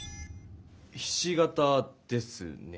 ひし形ですね。